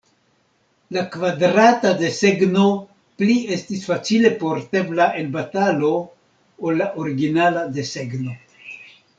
La kvadrata desegno pli estis facile portebla en batalo ol la originala desegno.